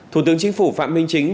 thủ tướng chính phủ phạm minh chính